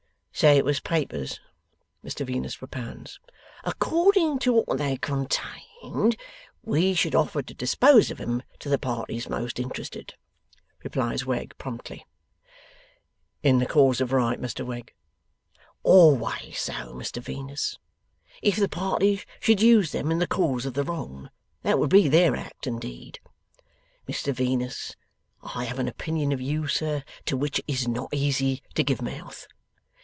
'Say it was papers,' Mr Venus propounds. 'According to what they contained we should offer to dispose of 'em to the parties most interested,' replies Wegg, promptly. 'In the cause of the right, Mr Wegg?' 'Always so, Mr Venus. If the parties should use them in the cause of the wrong, that would be their act and deed. Mr Venus. I have an opinion of you, sir, to which it is not easy to give mouth.